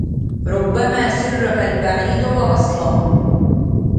ربما سرك البعيد وأصلا